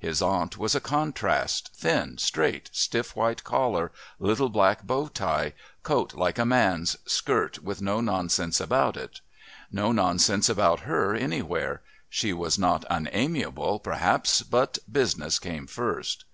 His aunt was a contrast, thin, straight, stiff white collar, little black bow tie, coat like a man's, skirt with no nonsense about it. No nonsense about her anywhere. She was not unamiable, perhaps, but business came first.